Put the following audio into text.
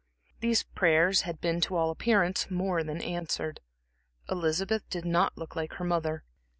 These prayers had been to all appearance more than answered. Elizabeth did not look like her mother.